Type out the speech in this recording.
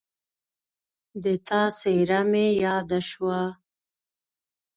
د تا څېره مې یاده شوه